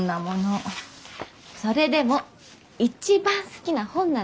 それでも一番好きな本なの！